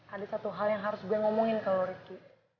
ada satu hal yang harus gue ngomongin kalau ricky